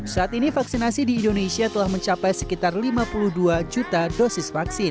saat ini vaksinasi di indonesia telah mencapai sekitar lima puluh dua juta dosis vaksin